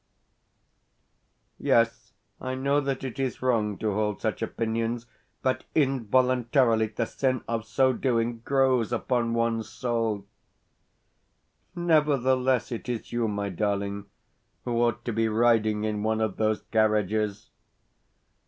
Yes, I know that it is wrong to hold such opinions, but involuntarily the sin of so doing grows upon one's soul. Nevertheless, it is you, my darling, who ought to be riding in one of those carriages.